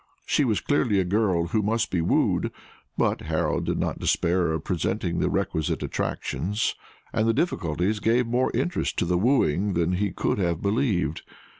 She was clearly a girl who must be wooed; but Harold did not despair of presenting the requisite attractions, and the difficulties gave more interest to the wooing than he could have believed.